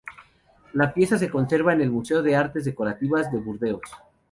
La pieza se conserva en el Museo de Artes Decorativas de Burdeos.